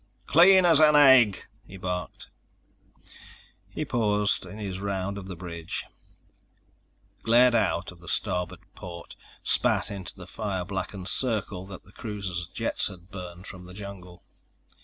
"Clean as an egg!" he barked. He paused in his round of the bridge, glared out the starboard port, spat into the fire blackened circle that the cruiser's jets had burned from the jungle.